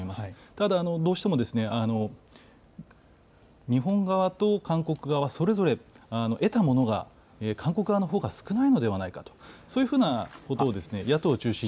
ただどうしても、日本側と韓国側それぞれ、得たものが韓国側の方が少ないのではないかと、そういうふうなことを野党を中心に。